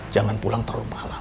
jangan pulang taruh malam